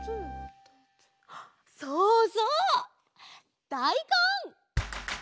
そうそうだいこん！